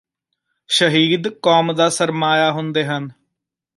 ਸ਼ਹੀਦ ਕੌਮ ਦਾ ਸਰਮਾਇਆ ਹੁੰਦੇ ਹਨ